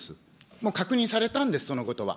もう、確認されたんです、そのことは。